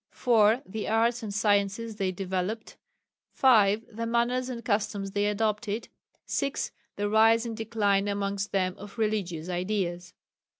4. The arts and sciences they developed. 5. The manners and customs they adopted. 6. The rise and decline amongst them of religious ideas.